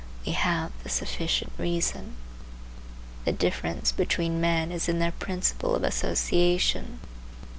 We have the sufficient reason. The difference between men is in their principle of association.